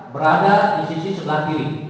berada di sisi sebelah kiri